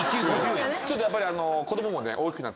ちょっとやっぱり。